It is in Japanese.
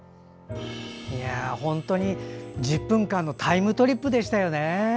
本当に１０分間のタイムトリップでしたよね。